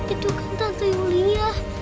itu kan tante yulia